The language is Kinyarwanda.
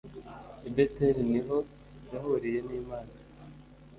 I Beteli ni ho yahuriye n’Imana,